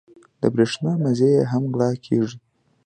د برېښنا مزي یې هم غلا کېږي.